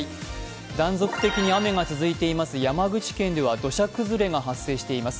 断続的に雨が続いています山口県では土砂崩れが発生しています。